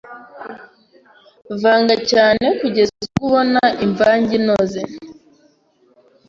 Vanga cyane kugeza ubwo ubona imvange inoze